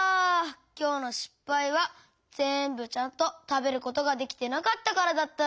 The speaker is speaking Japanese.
きょうのしっぱいはぜんぶちゃんとたべることができてなかったからだったのか。